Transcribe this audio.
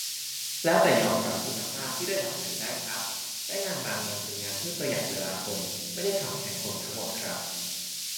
แล้วแต่ยอมรับคุณภาพที่ระดับไหนได้ครับ และงานบางงานเป็นงานช่วยประหยัดเวลาคน ไม่ได้ทำแทนคนทั้งหมดครับ